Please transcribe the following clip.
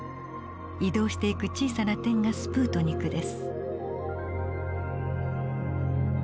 移動していく小さな点がスプートニクです。